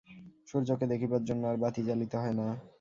সূর্যকে দেখিবার জন্য আর বাতি জ্বালিতে হয় না।